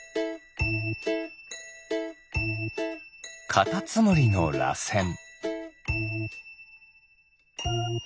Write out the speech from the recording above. カタツムリのらせん。